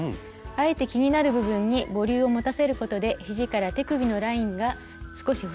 あえて気になる部分にボリュームを持たせることで肘から手首のラインが少し細く見えます。